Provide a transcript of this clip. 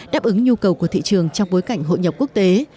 đáp ứng nhu cầu của thị trường trong bối cảnh hội nhập quốc tế